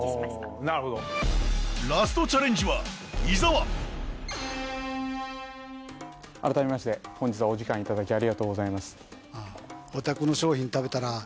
あなるほどラストチャレンジは伊沢改めまして本日はお時間いただきありがとうございます